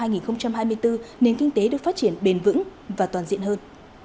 nền kinh tế được phát triển bền vững và toàn diện hơn